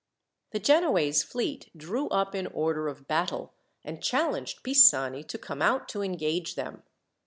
The Genoese fleet drew up in order of battle, and challenged Pisani to come out to engage them.